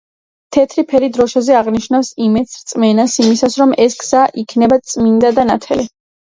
თეთრი ფერი დროშაზე აღნიშნავს იმედს, რწმენას იმისას, რომ ეს გზა იქნება წმინდა და ნათელი.